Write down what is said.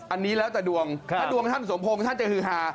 อันนี้แล้วแต่ดวงถ้าดวงท่านสมพงษ์ท่านจะฮือฮา